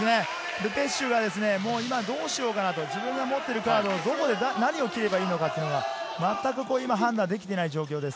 ル・ペシュ選手は今どうしようかなと、自分の持っているカードをどこで何を切ればいいのか、まったく判断できていない状態です。